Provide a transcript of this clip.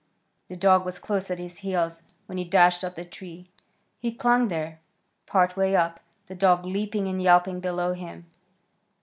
The dog was close at his heels when he dashed up the tree. He clung there, part way up, the dog leaping and yelping below him.